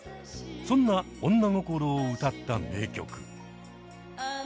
そんな女心を歌った名曲。